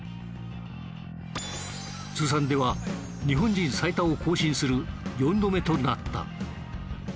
通算では日本人最多を更新する４度目となった。